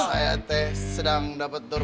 saya tuh sedang dapat kejutan